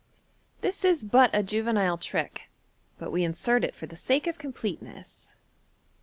— This is but a juvenile trick, but we insert it for the sake of completeness.